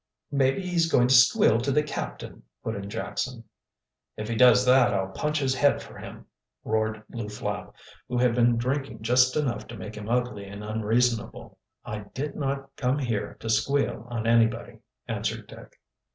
"Maybe he's going to squeal to the captain," put in Jackson. "If he does that I'll punch his head for him!" roared Lew Flapp, who had been drinking just enough to make him ugly and unreasonable. "I did not come here to squeal on anybody," answered Dick.